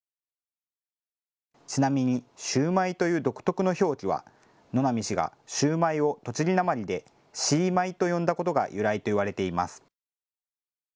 ちなみにシウマイという独特の表記は野並氏がシューマイを栃木なまりでシーマイと呼んだことが由来と言われています。